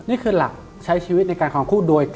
นี่คือหลักใช้ชีวิตในการความคุ้นด้วย